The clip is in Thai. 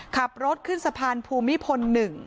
ขับรถขึ้นสะพานภูมิพล๑